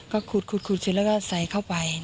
ก็ขูดแล้วก็ใส่เข้าไป